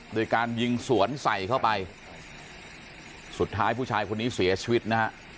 โดยการยิงสวนใส่เข้าไปสุดท้ายผู้ชายคนนี้เสียชีวิตนะฮะ